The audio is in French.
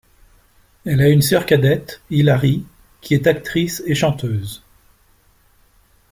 Elle a une sœur cadette, Hilary, qui est actrice et chanteuse.